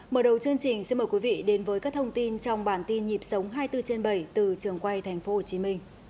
mở đầu chương trình xin mời quý vị đến với các thông tin trong bản tin nhịp sống hai mươi bốn trên bảy từ trường quay tp hcm